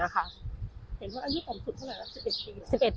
เห็นว่านี่กรรมสุดเท่าไหร่หรอ๑๑ปี